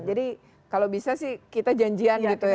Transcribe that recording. jadi kalau bisa sih kita janjian gitu ya